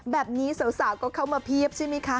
แบบนี้สาวก็เข้ามาเพียบใช่ไหมคะ